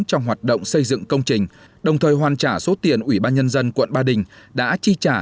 trong hoạt động xây dựng công trình đồng thời hoàn trả số tiền ubnd tp hà nội đã chi trả